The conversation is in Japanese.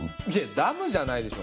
ダムじゃないでしょ。